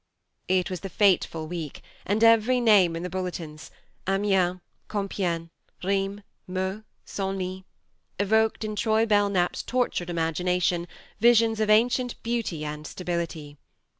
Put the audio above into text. It was the fateful week, and every name in the bulletins Amiens, Com piegne, Rheims, Meaux, Senlis evoked in Troy Belknap's tortured imagination visions of ancient beauty and stability.